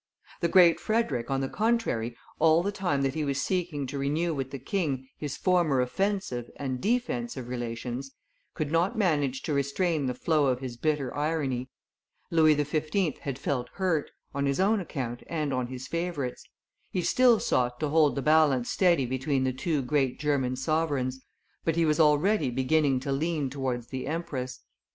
The Great Frederick, on the contrary, all the time that he was seeking to renew with the king his former offensive and defensive relations, could not manage to restrain the flow of his bitter irony. Louis XV. had felt hurt, on his own account and on his favorite's; he still sought to hold the balance steady between the two great German sovereigns, but he was already beginning to lean towards the empress.